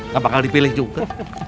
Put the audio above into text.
gak bakal dipilih juga